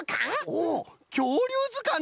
おお「きょうりゅうずかん」な！